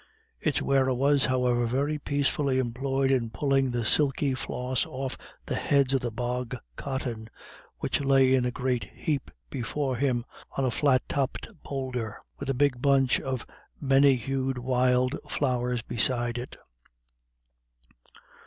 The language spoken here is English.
Its wearer was, however, very peacefully employed in pulling the silky floss off the heads of the bog cotton, which lay in a great heap before him on a flat topped boulder, with a big bunch of many hued wild flowers beside it.